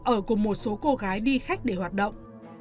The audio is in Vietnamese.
ở cùng một số cô gái đi khách để hoạt động